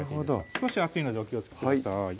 少し熱いのでお気をつけください